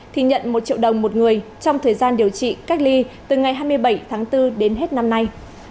thì nhận một triệu đồng một người trong thời gian điều trị cách ly từ ngày hai mươi bảy tháng bốn đến hết năm nay